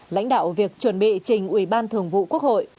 lãnh đạo việc chuẩn bị trình ủy ban thường vụ quốc hội